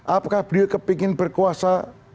apakah beliau kepikir berkuasa